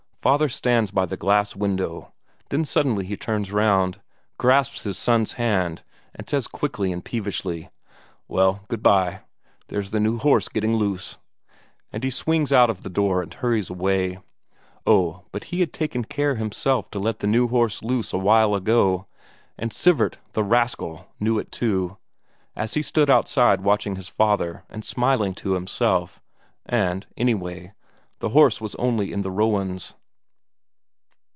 Father stands by the glass window, then suddenly he turns round, grasps his son's hand, and says quickly and peevishly: "Well, good bye. There's the new horse getting loose," and he swings out of the door and hurries away. Oh, but he had himself taken care to let the new horse loose a while ago, and Sivert, the rascal, knew it too, as he stood outside watching his father, and smiling to himself. And, anyway, the horse was only in the rowens.